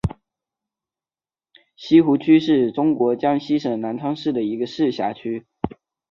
西湖区是中国江西省南昌市的一个市辖区。